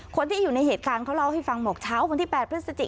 คนที่อยู่ในเหตุการณ์เขาเล่าให้ฟังบอกเช้าวันที่๘พฤศจิ